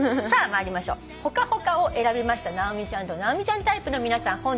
さあ参りましょう「ほかほか」を選びました直美ちゃんと直美ちゃんタイプの皆さん